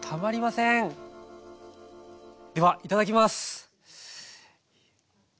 ではいただきます！